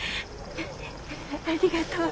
ありがとう。